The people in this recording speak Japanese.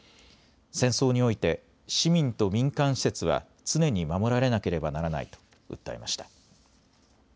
戦争において市民と民間施設は常に守られなければならないと訴えました。